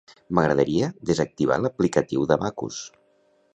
M'agradaria desactivar l'aplicatiu d'Abacus.